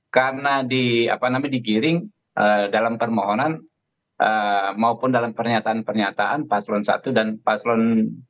karena digiring dalam permohonan maupun dalam pernyataan pernyataan paslon satu dan paslon tiga